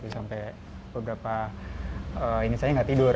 sampai beberapa ini saya nggak tidur